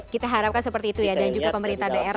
kita harapkan seperti itu ya dan juga pemerintah daerah